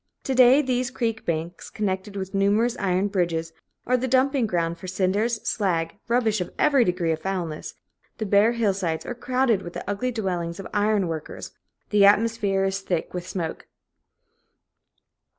To day, these creek banks, connected with numerous iron bridges, are the dumping ground for cinders, slag, rubbish of every degree of foulness; the bare hillsides are crowded with the ugly dwellings of iron workers; the atmosphere is thick with smoke.